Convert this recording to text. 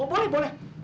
oh boleh boleh